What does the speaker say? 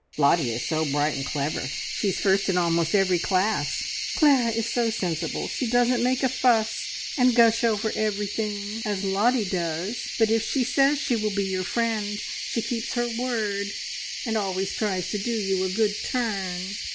"Lottie is so bright and clever. She is first in almost every single class." "Clara is so sensible. She doesn't make a fuss, and gush over everything, as Lottie does; but if she says she will be your friend, she keeps her word, and always tries to do you a good turn."